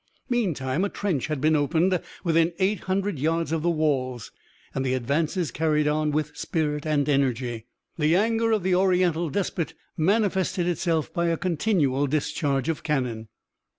Meantime a trench had been opened within 800 yards of the walls, and the advances carried on with spirit and energy. The anger of the Oriental despot manifested itself by a continual discharge of cannon.